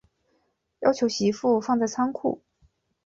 要求媳妇放在仓库